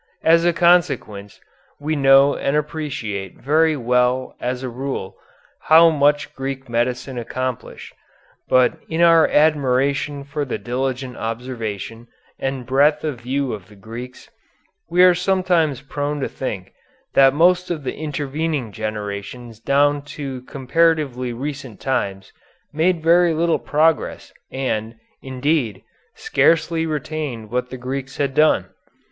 As a consequence we know and appreciate very well as a rule how much Greek medicine accomplished, but in our admiration for the diligent observation and breadth of view of the Greeks, we are sometimes prone to think that most of the intervening generations down to comparatively recent times made very little progress and, indeed, scarcely retained what the Greeks had done.